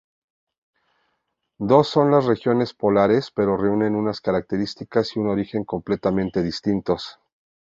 Dos son las regiones polares, pero reúnen unas características y un origen completamente distintos.